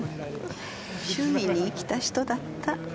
趣味に生きた人だった。